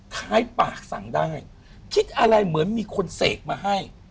คล้ายปากสั่งได้คิดอะไรเหมือนมีคนเสกมาให้